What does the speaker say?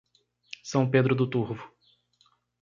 São Pedro do Turvo